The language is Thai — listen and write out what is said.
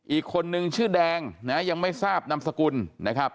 อีกคนนึงชื่อแดงนะยังไม่ทราบนามสกุลนะครับ